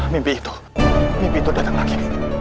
mimpi itu mimpi itu datang lagi